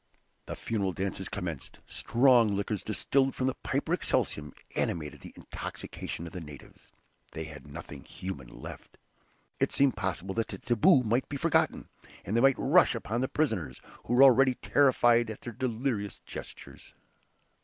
The funeral dances commenced. Strong liquors distilled from the "piper excelsum" animated the intoxication of the natives. They had nothing human left. It seemed possible that the "taboo" might be forgotten, and they might rush upon the prisoners, who were already terrified at their delirious gestures.